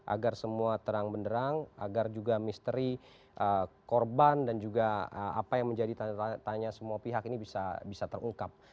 agar semua terang benderang agar juga misteri korban dan juga apa yang menjadi tanda tanya semua pihak ini bisa terungkap